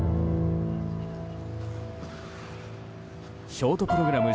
ショートプログラム